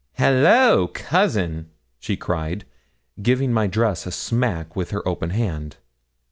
'Hallo, cousin,' she cried, giving my dress a smack with her open hand.